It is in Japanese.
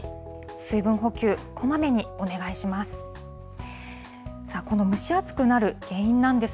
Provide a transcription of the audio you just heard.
水分補給、こまめにお願いします。